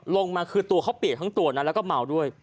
ลงมาคือตัวเขาเปียกทั้งตัวนะแล้วก็เมาด้วย